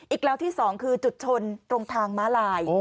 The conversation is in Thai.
อีกแล้วที่สองคือจุดชนตรงทางมาลาย